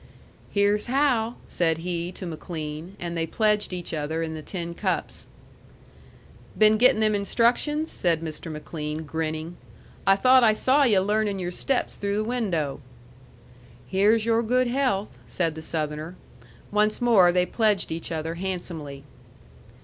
"Here's how!" said he to McLean. And they pledged each other in the tin cups. "Been gettin' them instructions?" said Mr. McLean, grinning. "I thought I saw yu' learning your steps through the window." "Here's your good health," said the Southerner. Once more they pledged each other handsomely.